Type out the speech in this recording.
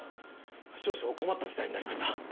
少々困った事態になりました。